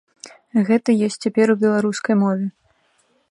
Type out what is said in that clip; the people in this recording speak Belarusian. Гэта ёсць цяпер і ў беларускай мове.